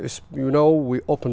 nhiều người đều